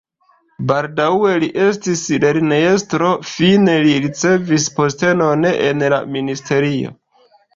Baldaŭe li estis lernejestro, fine li ricevis postenon en la ministerio.